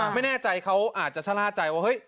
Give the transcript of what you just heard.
ไม่แน่ใจเขาอาจจะชะล่าใจว่าเฮ้ย